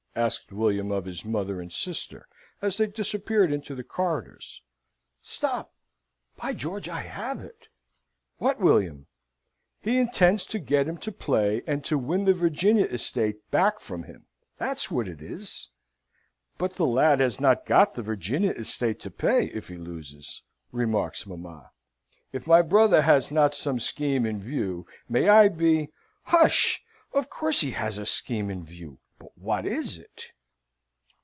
asked William of his mother and sister as they disappeared into the corridors. "Stop! By George, I have it!" "What, William?" "He intends to get him to play, and to win the Virginia estate back from him. That's what it is!" "But the lad has not got the Virginia estate to pay, if he loses," remarks mamma. "If my brother has not some scheme in view, may I be ." "Hush! Of course he has a scheme in view. But what is it?"